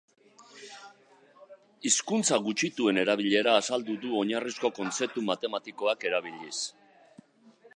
Hizkuntza gutxituen erabilera azaldu du oinarrizko kontzeptu matematikoak erabiliz.